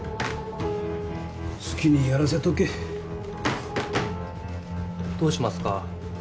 好きにやらせとけどうしますか？